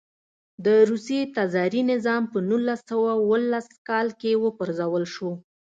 د روسیې تزاري نظام په نولس سوه اوولس کال کې و پرځول شو.